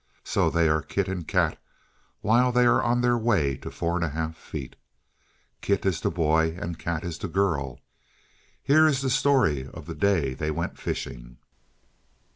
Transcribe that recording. So they are Kit and Kat while they are on the way to four and a half feet. Kit is the boy and Kat is the girl. Here is the story of the day they went fishing.